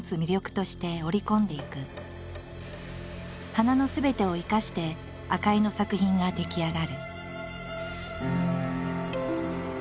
花のすべてを生かして赤井の作品が出来上がる。